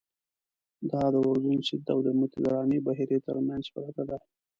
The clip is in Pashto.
دا د اردن سیند او مدیترانې بحیرې تر منځ پرته ده.